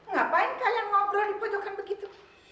ngapain kalian ngobrol di pojokan begitu